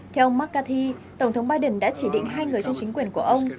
theo ông mccarthy tổng thống biden đã chỉ định hai người trong chính quyền của ông